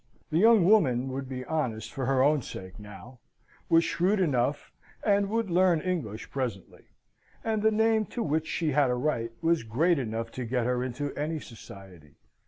The young woman would be honest for her own sake now: was shrewd enough, and would learn English presently; and the name to which she had a right was great enough to get her into any society.